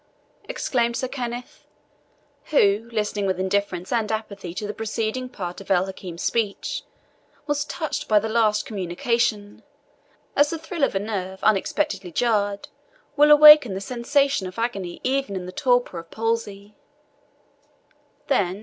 exclaimed Sir Kenneth, who, listening with indifference and apathy to the preceding part of El Hakim's speech, was touched by this last communication, as the thrill of a nerve, unexpectedly jarred, will awaken the sensation of agony, even in the torpor of palsy.